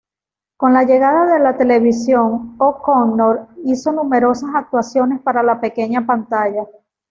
Con la llegada de la televisión, O'Connor hizo numerosas actuaciones para la pequeña pantalla.